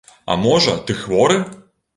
А можа, ты хворы?